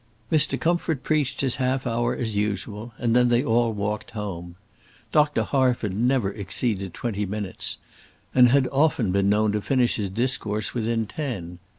Mr. Comfort preached his half hour as usual, and then they all walked home. Dr. Harford never exceeded twenty minutes, and had often been known to finish his discourse within ten.